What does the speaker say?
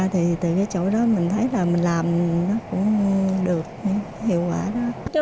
thì từ cái chỗ đó mình thấy là mình làm nó cũng được hiệu quả đó